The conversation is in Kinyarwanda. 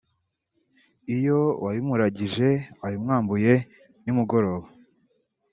Iyo uwabimuragije abimwambuye nimugoroba